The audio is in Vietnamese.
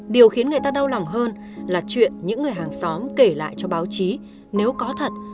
điều khiến người ta đau lòng hơn là chuyện những người hàng xóm kể lại cho báo chí nếu có thật